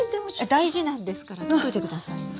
大事なんですからとっといてくださいね。